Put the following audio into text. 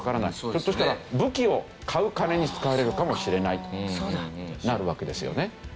ひょっとしたら武器を買う金に使われるかもしれないとなるわけですよね。